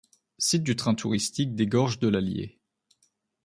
Site du train touristique des gorges de l'Allier.